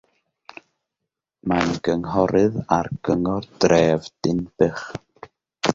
Mae'n gynghorydd ar Gyngor Dref Dinbych.